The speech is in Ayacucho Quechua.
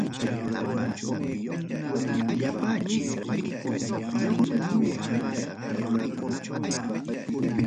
Runakunaqa rurukunata, rapinkunatapas hampinapaqmi hapinku.